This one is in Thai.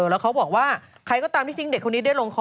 แล้วเขาบอกว่าใครก็ตามที่ทิ้งเด็กคนนี้ได้ลงคอ